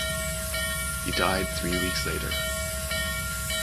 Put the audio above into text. He died three weeks later.